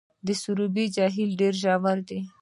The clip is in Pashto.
د سروبي جهیل ډیر ژور دی